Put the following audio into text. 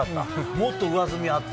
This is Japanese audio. もっと上積みあった。